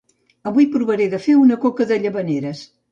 Avui provaré de fer una coca de Llavaneres